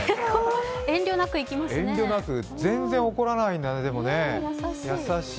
遠慮なく、でも全然怒らないんだね優しい。